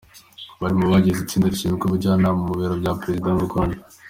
Ubu ari mu bagize itsinda rishinzwe ubujyanama mu biro bya Perezida mu Rwanda.